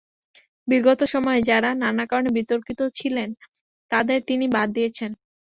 বিগত সময়ে যাঁরা নানা কারণে বিতর্কিত ছিলেন, তাঁদের তিনি বাদ দিয়েছেন।